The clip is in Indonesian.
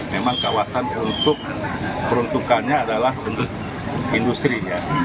memang kawasan untuk peruntukannya adalah untuk industri ya